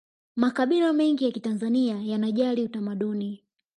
makabila mengi ya tanzania yanajali utamaduni